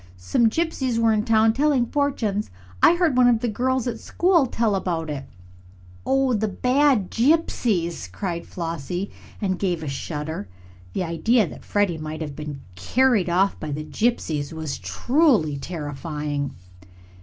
"Some gypsies were in town, telling fortunes. I heard one of the girls at school tell about it." "Oh, the bad gypsies!" cried Flossie, and gave a shudder. The idea that Freddie might have been carried off by the gypsies was truly terrifying.